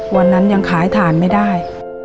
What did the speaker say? วันนั้นยังขายถ่านไม่ได้